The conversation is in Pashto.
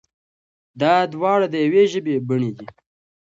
دا دواړه د يوې ژبې بڼې دي.